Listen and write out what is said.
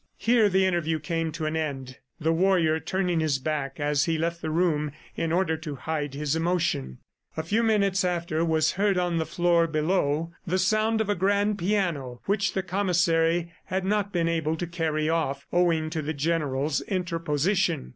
Here the interview came to an end, the warrior turning his back as he left the room in order to hide his emotion. A few minutes after was heard on the floor below the sound of a grand piano which the Commissary had not been able to carry off, owing to the general's interposition.